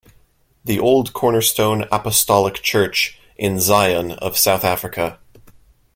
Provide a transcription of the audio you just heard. The Old Cornerstone Apostolic Church in Zion of South Africa.